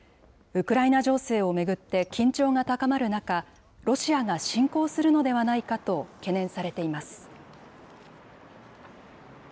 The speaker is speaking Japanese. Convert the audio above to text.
ウクライナ情勢を巡って緊張が高まる中、ロシアが侵攻するのではないかと懸念されています。